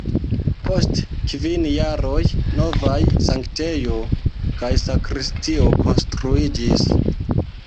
Post kvin jaroj novaj sanktejo kaj sakristio konstruiĝis.